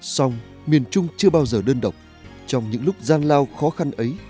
xong miền trung chưa bao giờ đơn độc trong những lúc gian lao khó khăn ấy